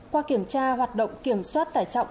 qua kiểm tra hoạt động kiểm soát tải trọng